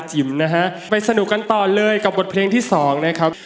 จิ้มแก้วตา